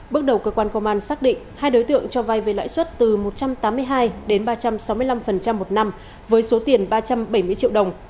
bước đầu cơ quan công an xác định hai đối tượng cho vai về lãi suất từ một trăm tám mươi hai đến ba trăm sáu mươi năm một năm với số tiền ba trăm bảy mươi triệu đồng